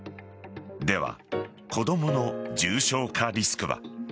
では、子供の重症化リスクは。